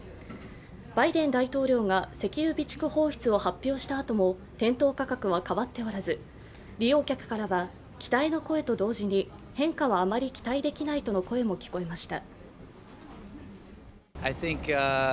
バイデン大統領が石油備蓄放出を発表したあとも店頭価格は変わっておらず、利用客からは期待の声と同時に変化はあまり期待できないとの声も聞こえました。